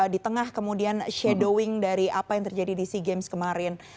di tengah kemudian shadowing dari apa yang terjadi di sea games kemarin